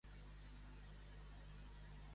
L'app de Caprabo, treu-la.